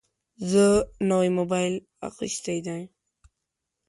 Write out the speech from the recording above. زه نوی موبایل اخیستی دی.